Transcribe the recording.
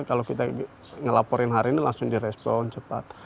kalau kita ngelaporin hari ini langsung direspon cepat